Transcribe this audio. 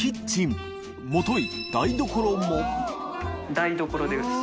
台所です。